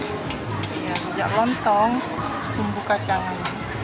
rujak lontong bumbu kacang